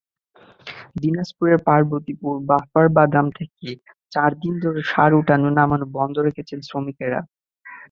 দিনাজপুরের পার্বতীপুর বাফার গুদাম থেকে চার দিন ধরে সার ওঠানো–নামানো বন্ধ রেখেছেন শ্রমিকেরা।